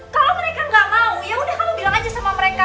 kalau mereka gak mau yaudah kamu bilang aja sama mereka